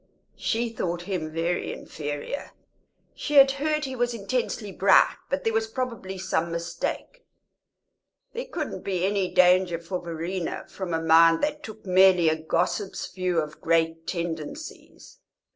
She thought him very inferior; she had heard he was intensely bright, but there was probably some mistake; there couldn't be any danger for Verena from a mind that took merely a gossip's view of great tendencies.